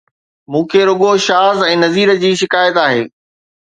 مون کي رڳو شاز ۽ نذير جي شڪايت آهي